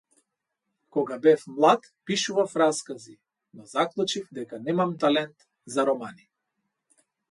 Кога бев млад пишував раскази, но заклучив дека немам талент за романи.